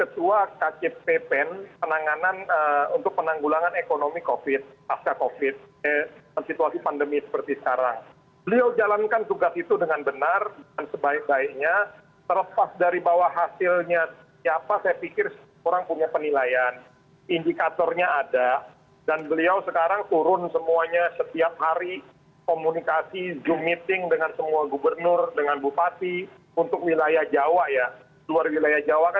seperti pdi perjuangan misalnya apakah dengan gerindra